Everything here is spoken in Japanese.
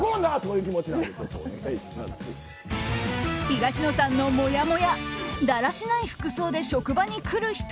東野さんのもやもやだらしない服装で職場に来る人